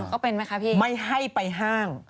ก็เป็นไหมคะพี่ไม่ให้ไปห้าง